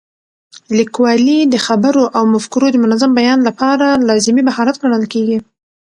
لیکوالی د خبرو او مفکورو د منظم بیان لپاره لازمي مهارت ګڼل کېږي.